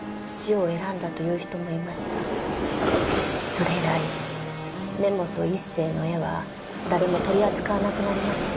それ以来根本一成の絵は誰も取り扱わなくなりました。